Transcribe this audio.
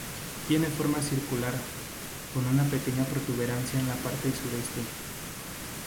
Tiene forma circular, con una pequeña protuberancia en la parte sureste.